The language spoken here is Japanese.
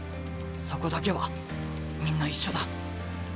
そこだけはみんな一緒だ。